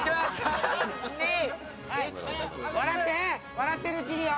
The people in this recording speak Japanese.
笑ってるうちによ。